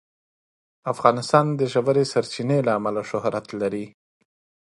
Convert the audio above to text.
افغانستان د ژورې سرچینې له امله شهرت لري.